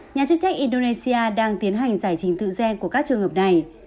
nhà chức trách indonesia đang tiến hành giải trình tự gen của các trường hợp này